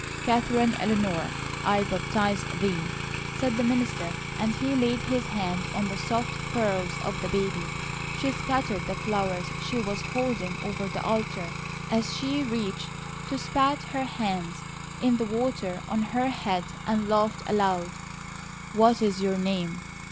"Katherine Eleanor, I baptize thee," said the minister, and he laid his hand on the soft curls of the baby. She scattered the flowers she was holding over the altar as she reached to spat her hands in the water on her head and laughed aloud. "What is your name?"